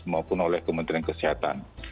maupun oleh kementerian kesehatan